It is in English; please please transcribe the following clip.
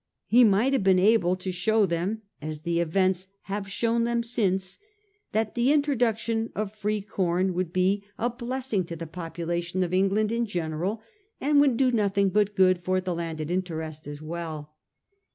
He might have been able to show them, as the events have shown them since, that the introduction of free corn would be a blessing to 358 A HISTORY OF OUR OWN TIMES. on. hv. the population of England in general, and would do nothing hut good for the landed interest as well.